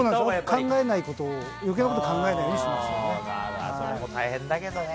考えないこと、よけいなことを考えないようにしてましたけどね。